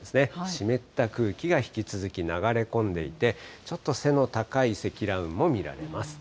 湿った空気が引き続き流れ込んでいて、ちょっと背の高い積乱雲も見られます。